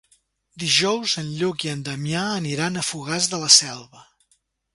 Dijous en Lluc i en Damià aniran a Fogars de la Selva.